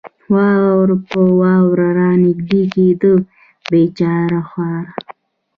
وار په وار را نږدې کېده، بېچاره خورا.